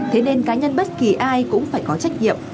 thế nên cá nhân bất kỳ ai cũng phải có trách nhiệm